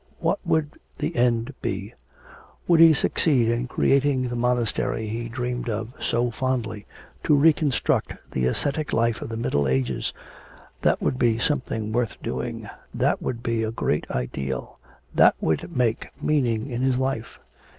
What would the end be? Would he succeed in creating the monastery he dreamed of so fondly? To reconstruct the ascetic life of the Middle Ages, that would be something worth doing, that would be a great ideal that would make meaning in his life.